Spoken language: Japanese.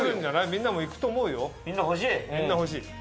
みんな欲しい。